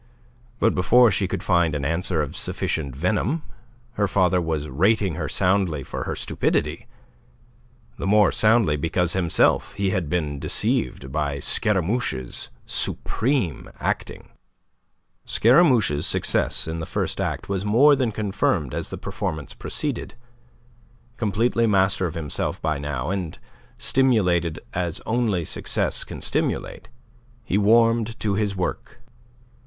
But before she could find an answer of sufficient venom, her father was rating her soundly for her stupidity the more soundly because himself he had been deceived by Scaramouche's supreme acting. Scaramouche's success in the first act was more than confirmed as the performance proceeded. Completely master of himself by now, and stimulated as only success can stimulate, he warmed to his work.